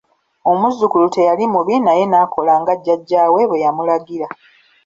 Omuzzukulu teyali mubi naye n'akola nga jjajjaawe bwe yamulagira.